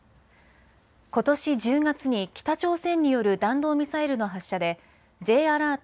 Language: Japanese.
ことし１０月に北朝鮮による弾道ミサイルの発射でＪアラート